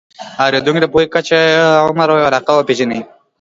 د اورېدونکو د پوهې کچه، عمر او علاقه وپېژنئ.